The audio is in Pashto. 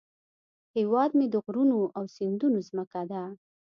هیواد مې د غرونو او سیندونو زمکه ده